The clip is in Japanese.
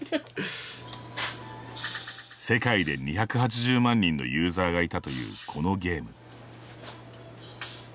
世界で２８０万人のユーザーがいたというこのゲーム。